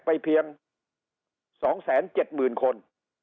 เพียง๒๗๐๐๐คน